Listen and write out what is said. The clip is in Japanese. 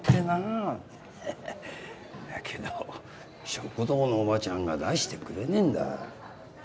へへけど食堂のおばちゃんが出してくれねえんだ。